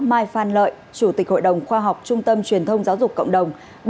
mai phan lợi chủ tịch hội đồng khoa học trung tâm truyền thông giáo dục cộng đồng